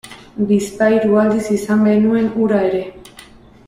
Bizpahiru aldiz izan genuen hura ere.